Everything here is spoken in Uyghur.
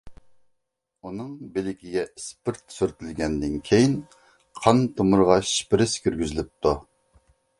ئۇنىڭ بىلىكىگە ئىسپىرت سۈرتۈلگەندىن كېيىن، قان تومۇرىغا شپىرىس كىرگۈزۈلۈپتۇ.